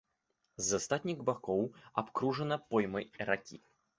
З астатніх бакоў абкружана поймай ракі.